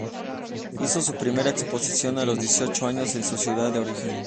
Hizo su primera exposición a los dieciocho años en su ciudad de origen.